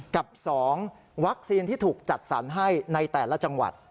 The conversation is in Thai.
กับ๒วัคซีนที่ถูกจัดสรรให้ในแต่ละจังหวัด